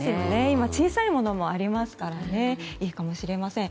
今、小さいものもありますからいいかもしれません。